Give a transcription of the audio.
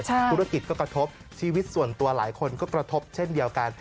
ธุรกิจก็กระทบชีวิตส่วนตัวหลายคนก็กระทบเช่นเดียวกัน